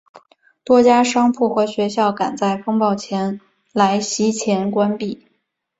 多家商铺和学校赶在风暴来袭前关闭。